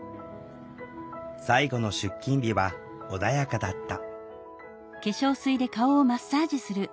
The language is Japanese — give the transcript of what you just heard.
最後の出勤日は穏やかだった。